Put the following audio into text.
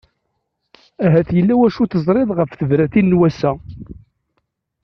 Ahat yella wacu teẓriḍ ɣef tebratin n wassa.